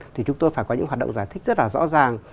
thì chúng tôi phải có những hoạt động giải thích rất là rõ ràng